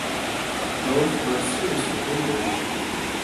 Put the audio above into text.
Both were seriously injured.